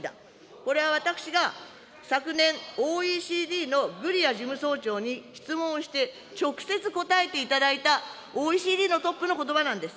これは私が昨年、ＯＥＣＤのグリア事務総長に質問して、直接答えていただいたＯＥＣＤのトップのことばなんです。